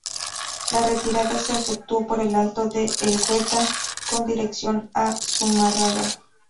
La retirada se efectuó por el alto de Elgueta con dirección a Zumárraga.